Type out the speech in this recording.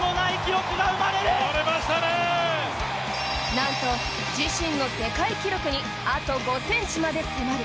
なんと自身の世界記録にあと５ｃｍまで迫る。